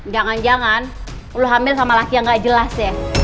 jangan jangan kamu hamil dengan laki yang tidak jelas